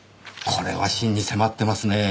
これは真に迫ってますねぇ。